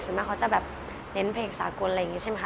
ส่วนมากเขาจะแบบเน้นเพลงสากลอะไรอย่างนี้ใช่ไหมคะ